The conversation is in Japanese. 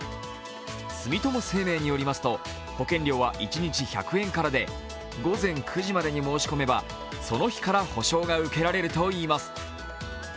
住友生命によりますと保険料は一日１００円からで午前９時までに申し込めばその日から保障が受けられるといいます。